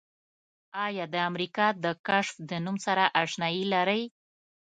آیا د امریکا د کشف د نوم سره آشنایي لرئ؟